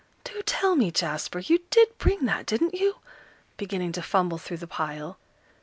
"Do tell me, Jasper, you did bring that, didn't you?" beginning to fumble through the pile.